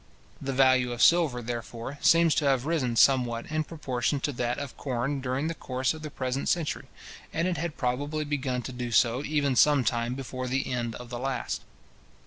The value of silver, therefore, seems to have risen somewhat in proportion to that of corn during the course of the present century, and it had probably begun to do so even some time before the end of the last.